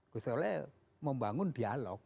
gusole membangun dialog